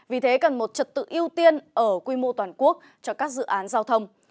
vì thế cần một trật tự ưu tiên ở quy mô toàn quốc cho các dự án giao thông